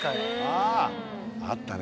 ああったね